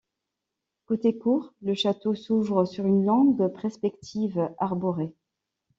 Côté cour, le château s'ouvre sur une longue perspective arborée.